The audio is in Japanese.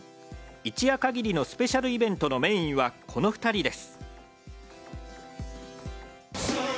一夜限りのスペシャルイベントのメインは、この２人です。